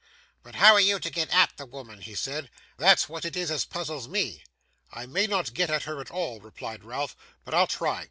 'But how are you to get at the woman?' he said; 'that's what it is as puzzles me.' 'I may not get at her at all,' replied Ralph, 'but I'll try.